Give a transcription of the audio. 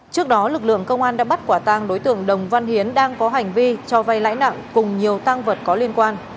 trước đó lực lượng công an đã bắt quả tang đối tượng đồng văn hiến đang có hành vi cho vay lãi nặng cùng nhiều tăng vật có liên quan